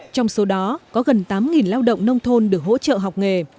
trong số đó có gần tám lao động nông thôn được hỗ trợ học nghề